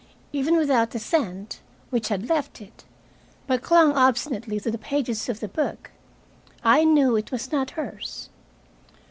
Even without the scent, which had left it, but clung obstinately to the pages of the book, I knew it was not hers.